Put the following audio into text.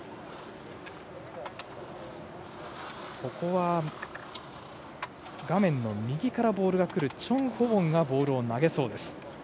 ここは、画面の右からボールがくるチョン・ホウォンがボールを投げそうです。